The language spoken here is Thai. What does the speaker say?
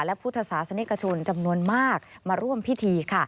และพุทธศาสนิกชนจำนวนมากมาร่วมพิธี